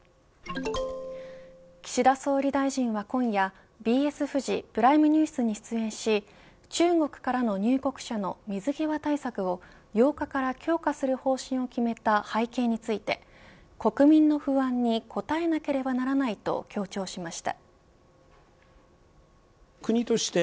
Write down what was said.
岸田総理大臣は、今夜ＢＳフジプライムニュースに出演し中国からの入国者の水際対策を８日から強化する方針を決めた背景について国民の不安に応えなければならないと強調しました。